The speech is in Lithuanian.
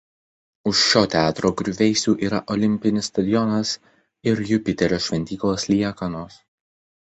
Už šio teatro griuvėsių yra olimpinis stadionas ir Jupiterio šventyklos liekanos.